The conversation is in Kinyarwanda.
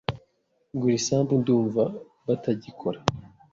Gura isambu. Ndumva batagikora.